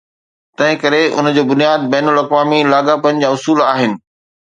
تنهنڪري ان جو بنياد بين الاقوامي لاڳاپن جا اصول آهن.